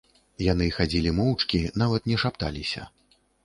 Яны хадзілі моўчкі, нават не шапталіся.